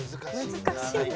難しいね。